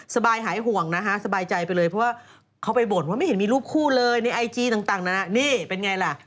หายห่วงนะฮะสบายใจไปเลยเพราะว่าเขาไปบ่นว่าไม่เห็นมีรูปคู่เลยในไอจีต่างนั้นนี่เป็นไงล่ะ